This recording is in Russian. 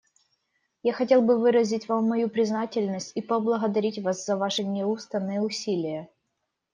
Я хотел бы выразить Вам мою признательность и поблагодарить Вас за Ваши неустанные усилия.